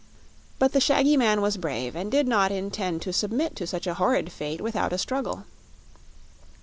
But the shaggy man was brave and did not intend to submit to such a horrid fate without a struggle.